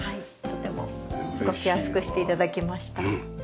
とても動きやすくして頂きました。